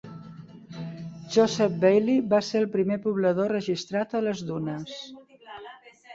Joseph Bailly va ser el primer poblador registrat a les dunes.